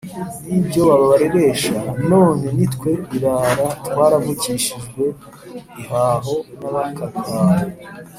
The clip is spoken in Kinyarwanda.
N’ibyo babareresha None nitwe birara Twaravukijwe ihaho N’abakaduhaye